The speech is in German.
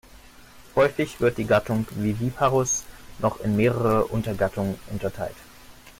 Häufig wird die Gattung "Viviparus" noch in mehrere Untergattungen unterteilt.